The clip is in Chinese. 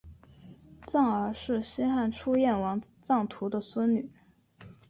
臧儿是西汉初燕王臧荼的孙女。